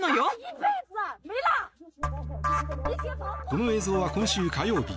この映像は今週火曜日